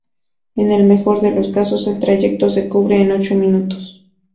En el mejor de los casos el trayecto se cubre en ocho minutos.